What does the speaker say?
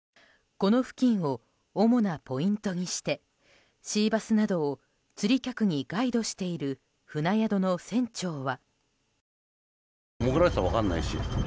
この付近を主なポイントにしてシーバスなどを釣り客にガイドしている船宿の船長は。